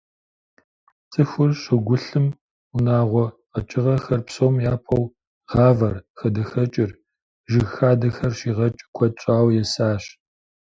ЦӀыхур щӀыгулъым унагъуэ къэкӀыгъэхэр, псом япэу гъавэр, хадэхэкӀыр, жыг хадэхэр щигъэкӀыу куэд щӀауэ есащ.